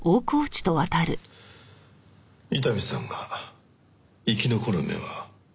伊丹さんが生き残る目は？